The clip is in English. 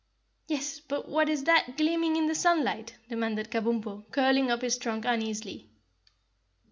"Yes, but what's that gleaming in the sunlight?" demanded Kabumpo, curling up his trunk uneasily.